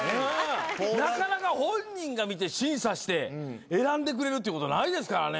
なかなか本人が見て審査して選んでくれるっていうことないですからね。